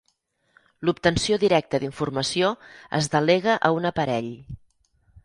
L'obtenció directa d'informació es delega a un aparell.